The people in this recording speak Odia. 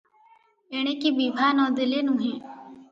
ଏଣିକି ବିଭା ନ ଦେଲେ ନୁହେ ।